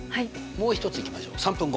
もう一ついきましょう３分後。